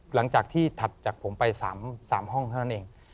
หลังจากที่ถัดจากผมไป๓ห้องเท่านั้นเอง